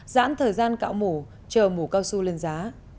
giãn thời gian cạo mù chờ mù cao su lên giá